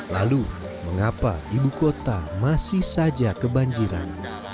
lalu mengapa ibu kota masih saja kebanjiran